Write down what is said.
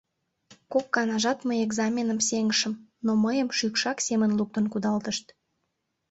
Кок ганажат мый экзаменым сеҥышым, но мыйым шӱкшак семын луктын кудалтышт.